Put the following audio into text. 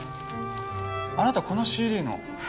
あなたこのＣＤの。